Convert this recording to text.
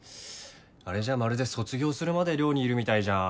あれじゃまるで卒業するまで寮にいるみたいじゃん。